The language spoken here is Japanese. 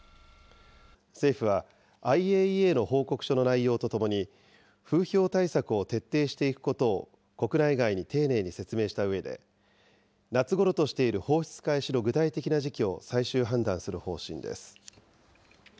政府は、ＩＡＥＡの報告書の内容とともに、風評対策を徹底していくことを国内外に丁寧に説明したうえで、夏ごろとしている放出開始の具体的な時期を最終判断する方針です。